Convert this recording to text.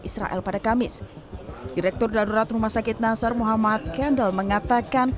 israel pada kamis direktur darurat rumah sakit nasar muhammad kendel mengatakan